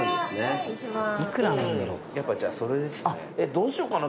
どうしようかな？